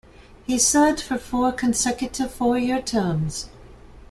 He served for four consecutive four-year terms.